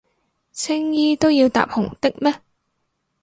青衣都要搭紅的咩？